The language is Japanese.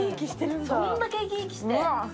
そんだけ生き生きして。